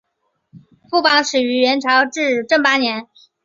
副榜始于元朝至正八年。